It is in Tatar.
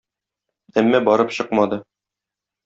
Әмма барып чыкмады.